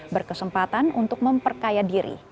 berkesempatan untuk memperkaya diri